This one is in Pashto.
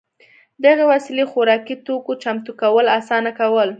دغې وسیلې خوراکي توکو چمتو کول اسانه کول